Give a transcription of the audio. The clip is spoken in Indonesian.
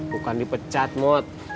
bukan dipecat mot